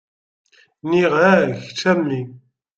Nniɣ-ak kečč a mmi.